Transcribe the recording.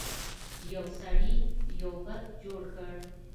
یو سړي یو بت جوړ کړ.